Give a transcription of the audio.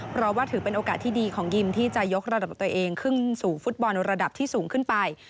เพราะว่าถือเป็นโอกาสที่ดีของยิมที่จะยกระดับตัวเองขึ้นสู่ฟุตบอลระดับที่สูงขึ้นไป